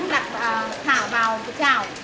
đặt thả vào cái chảo